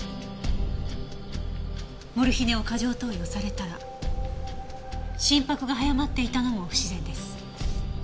モルヒネを過剰投与されたら心拍が早まっていたのも不自然です。